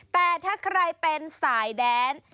แต่ถ้าใครเป็นสายแดน